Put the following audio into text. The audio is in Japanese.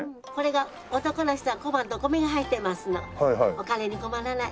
お金に困らない。